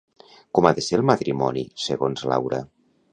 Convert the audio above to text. Com ha de ser el matrimoni segons Laura?